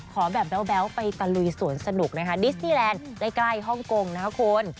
ขอแบบแบ๊วไปตะลุยสวนสนุกนะคะดิสนีแลนด์ใกล้ฮ่องกงนะคะคุณ